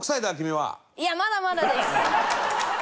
いやまだまだです。